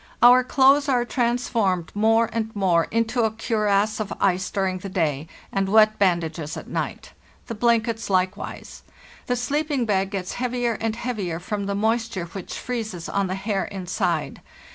Our clothes are transformed more and more into a cuirass of ice during the day, and wet bandages at night. The blankets hkewise. The sleeping bag gets heavier and heavier from the moisture which freezes on the hair inside.